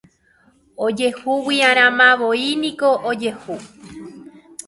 Ojehugui'arãmavoíniko ojehu